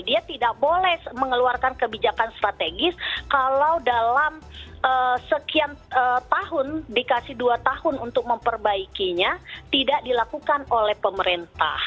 dia tidak boleh mengeluarkan kebijakan strategis kalau dalam sekian tahun dikasih dua tahun untuk memperbaikinya tidak dilakukan oleh pemerintah